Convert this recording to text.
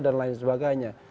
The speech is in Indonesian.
dan lain sebagainya